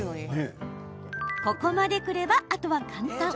ここまでくれば、あとは簡単。